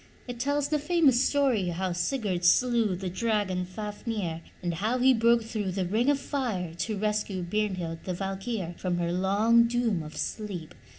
It tells the famous story how Sigurd slew the dragon, Fafnir, and how he broke through the ring of fire to rescue Brynhild, the Valkyr, from her long doom of sleep.